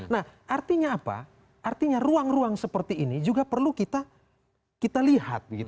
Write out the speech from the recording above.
nah artinya apa artinya ruang ruang seperti ini juga perlu kita lihat